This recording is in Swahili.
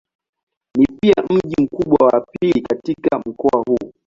Ni pia mji mkubwa wa pili katika mkoa huu.